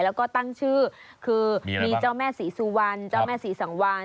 แล้วก็ตั้งชื่อคือมีเจ้าแม่ศรีสุวรรณเจ้าแม่ศรีสังวาน